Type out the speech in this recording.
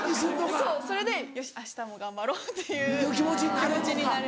そうそれでよし明日も頑張ろうっていう気持ちになれます。